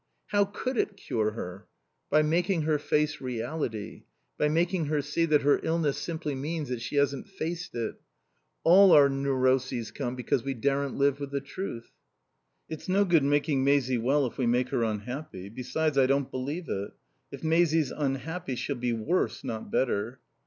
"How could it cure her?" "By making her face reality. By making her see that her illness simply means that she hasn't faced it. All our neuroses come because we daren't live with the truth." "It's no good making Maisie well if we make her unhappy. Besides, I don't believe it. If Maisie's unhappy she'll be worse, not better."